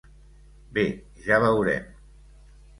Bé, ja veurem.